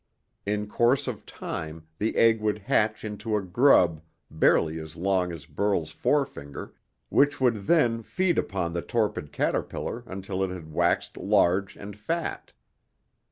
In course of time the egg would hatch into a grub barely as long as Burl's forefinger, which would then feed upon the torpid caterpillar until it had waxed large and fat.